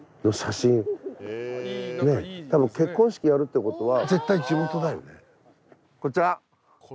結婚式やるってことは。